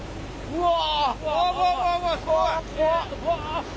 うわ。